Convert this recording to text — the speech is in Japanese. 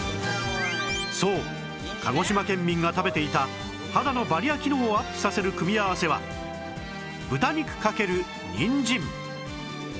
そう鹿児島県民が食べていた肌のバリア機能をアップさせる組み合わせは豚肉×にんじん